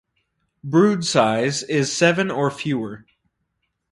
Brood size is seven or fewer.